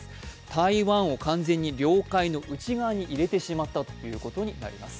台湾を完全に領海の内側に入れてしまったということになります。